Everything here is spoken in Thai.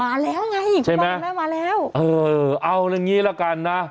มาแล้วไงอีกวันแล้วมาแล้วใช่ไหมเออเอาอย่างนี้ละกันนะ